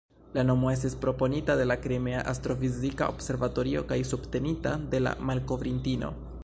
La nomo estis proponita de la Krimea Astrofizika Observatorio kaj subtenita de la malkovrintino.